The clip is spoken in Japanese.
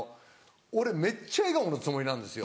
俺めっちゃ笑顔のつもりなんですよ。